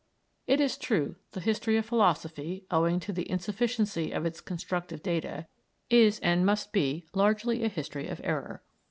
It is true, the history of philosophy, owing to the insufficiency of its constructive data, is and must be largely a history of error.